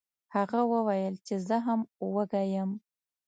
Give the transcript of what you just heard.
هغه وویل چې زه هم وږی یم.